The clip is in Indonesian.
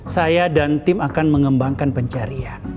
saya dan tim akan mengembangkan pencarian